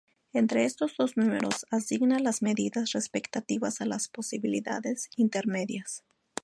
Entre estos dos números, asigna las medidas respectivas a las posibilidades intermedias.